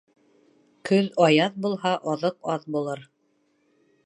Көҙ аяҙ булһа, аҙыҡ аҙ булыр.